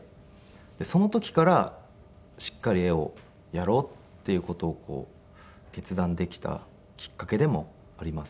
その時からしっかり絵をやろうっていう事を決断できたきっかけでもありますね。